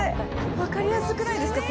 分かりやすくないですか？